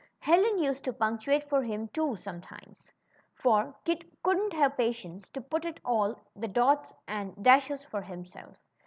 Helen used to punctuate for him, too, sometimes ; for Kit couldn't have patience to put in all the dots and dashes for himself.